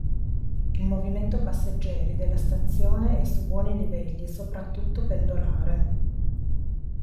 Il movimento passeggeri della stazione è su buoni livelli e soprattutto pendolare.